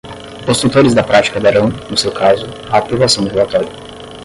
Os tutores da prática darão, no seu caso, a aprovação do relatório.